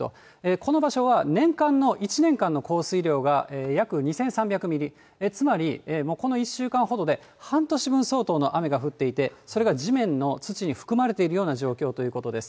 この場所は年間の、１年間の降水量が約２３００ミリ、つまりもうこの１週間ほどで、半年分相当の雨が降っていて、それが地面の土に含まれているような状況ということです。